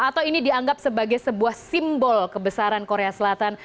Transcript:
atau ini dianggap sebagai sebuah simbol kebesaran korea selatan